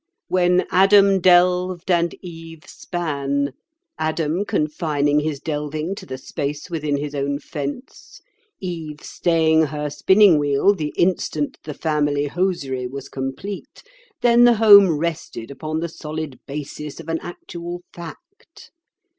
When Adam delved and Eve span—Adam confining his delving to the space within his own fence, Eve staying her spinning wheel the instant the family hosiery was complete—then the home rested upon the solid basis of an actual fact.